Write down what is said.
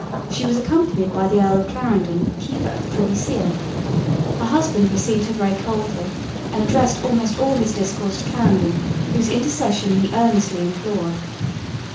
She was accompanied by the Earl of Clarendon, Keeper of the Privy Seal. Her husband received her very coldly, and addressed almost all his discourse to Clarendon whose intercession he earnestly implored.